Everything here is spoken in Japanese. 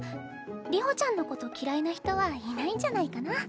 流星ちゃんのこと嫌いな人はいないんじゃないかな。